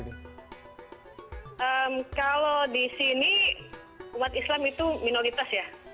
kalau di sini umat islam itu minoritas ya